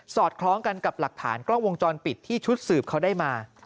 อดคล้องกันกับหลักฐานกล้องวงจรปิดที่ชุดสืบเขาได้มา